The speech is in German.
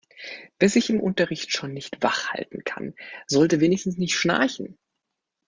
Wer sich im Unterricht schon nicht wach halten kann, sollte wenigstens nicht schnarchen.